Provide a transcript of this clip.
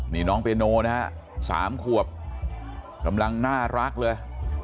นี่น้องเปีโนนะฮะ๓ขวบกำลังน่ารักเลย